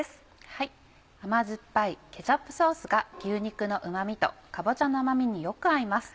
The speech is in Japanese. はい甘酸っぱいケチャップソースが牛肉のうまみとかぼちゃの甘みによく合います。